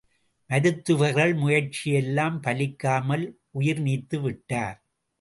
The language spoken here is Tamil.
மருத்துவர்கள் முயற்சியெல்லாம் பலிக்காமல் உயிர் நீத்துவிட்டார்.